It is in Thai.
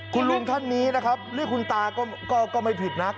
คุณลุงท่านนี้นะครับเรียกคุณตาก็ไม่ผิดนัก